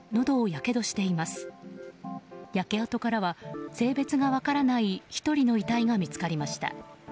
焼け跡からは性別が分からない１人の遺体が見つかりました。